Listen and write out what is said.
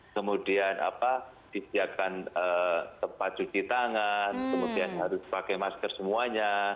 kemudian disediakan tempat cuci tangan kemudian harus pakai masker semuanya